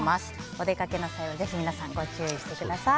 お出かけの際はぜひ皆さんご注意ください。